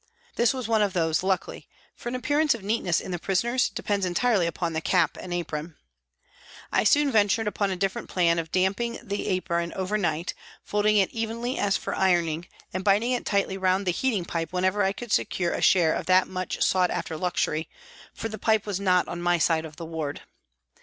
This was one of those, luckily, for an appearance of neatness in the prisoners depends entirely upon the cap and apron. I soon ventured upon a different plan of damping the apron over night, folding it evenly as for ironing and binding it tightly round the heating pipe whenever I could secure a share of that much sought after luxury, for the pipe was not on my side of the ward.